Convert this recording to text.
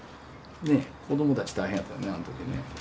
子どもたち大変やったねあの時ね。